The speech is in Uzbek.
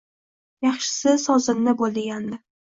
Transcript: Yaxshisi, sozanda bo’l”, degandi.